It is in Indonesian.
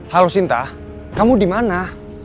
halo sinta kamu dimana